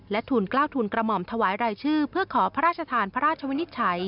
และทุนกล้าวทุนกระหม่อมถวายรายชื่อเพื่อขอพระราชทานพระราชวินิจฉัย